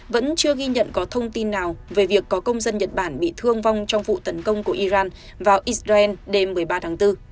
vẫn chưa ghi nhận có thông tin nào về việc có công dân nhật bản bị thương vong trong vụ tấn công của iran vào israel đêm một mươi ba tháng bốn